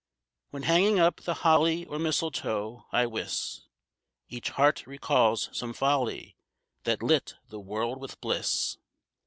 When hanging up the holly or mistletoe, I wis Each heart recalls some folly that lit the world with bliss.